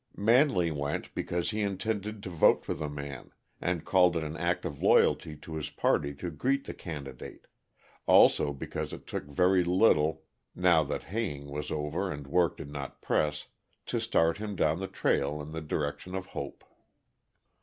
Manley went because he intended to vote for the man, and called it an act of loyalty to his party to greet the candidate; also because it took very little, now that haying was over and work did not press, to start him down the trail in the direction of Hope.